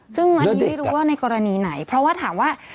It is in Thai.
ซึ่งอันนี้ไม่รู้ว่าในกรณีไหนเพราะว่าถามว่า